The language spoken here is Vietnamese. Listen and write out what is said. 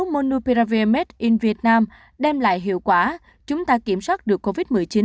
monuperav made in vietnam đem lại hiệu quả chúng ta kiểm soát được covid một mươi chín